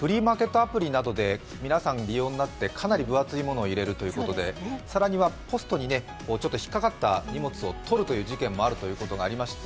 アプリなどで、皆さん、利用になってかなり分厚いものを入れるということで更にはポストに引っかかった荷物を取るという事件もあるということもありまして